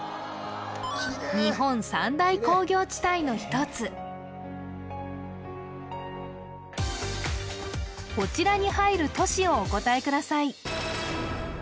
日本三大工業地帯の一つこちらに入る都市をお答えください